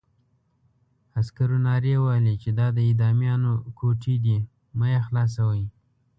عسکرو نارې وهلې چې دا د اعدامیانو کوټې دي مه یې خلاصوئ.